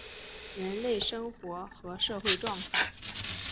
人类生活和社会状况